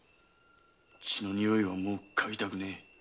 血のにおいはもうかぎたくねえ。